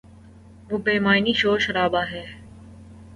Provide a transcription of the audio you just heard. وہ بے معنی شور شرابہ ہے۔